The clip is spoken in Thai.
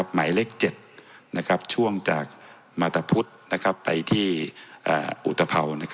หมายเลข๗ช่วงจากมาตรพุทธไปที่อุตภัวร์